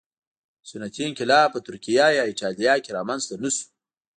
صنعتي انقلاب په ترکیه یا اېټالیا کې رامنځته نه شو